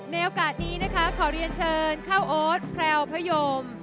โอกาสนี้นะคะขอเรียนเชิญข้าวโอ๊ตแพรวพยม